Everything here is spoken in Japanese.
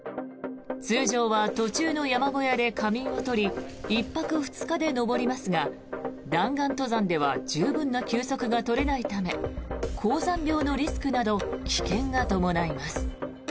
通常は途中の山小屋で仮眠を取り１泊２日で登りますが弾丸登山では十分な休息が取れないため高山病のリスクなど危険が伴います。